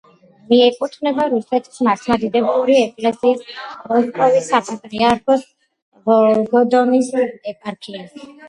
მიეკუთვნება რუსეთის მართლმადიდებელი ეკლესიის მოსკოვის საპატრიარქოს ვოლგოდონის ეპარქიას.